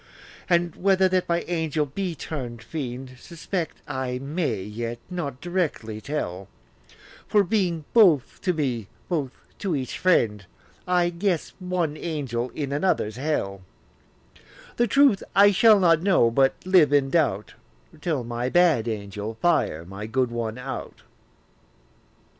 And whether that my angel be turn'd fiend, Suspect I may, yet not directly tell: For being both to me, both to each friend, I guess one angel in another's hell: The truth I shall not know, but live in doubt, Till my bad angel fire my good one out.